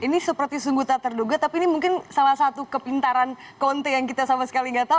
ini seperti sungguh tak terduga tapi ini mungkin salah satu kepintaran konte yang kita sama sekali nggak tahu